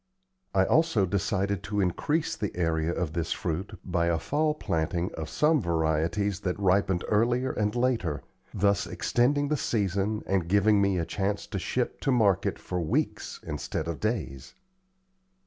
I also decided to increase the area of this fruit by a fall planting of some varieties that ripened earlier and later, thus extending the season and giving me a chance to ship to market for weeks instead of days.